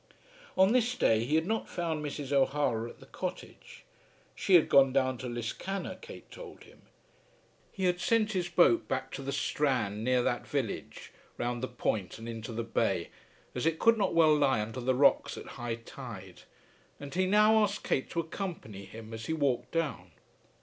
On this day he had not found Mrs. O'Hara at the cottage. She had gone down to Liscannor, Kate told him. He had sent his boat back to the strand near that village, round the point and into the bay, as it could not well lie under the rocks at high tide, and he now asked Kate to accompany him as he walked down.